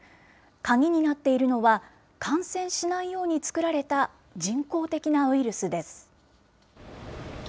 鍵になっているのは、感染しないように作られた人工的なウイルスです。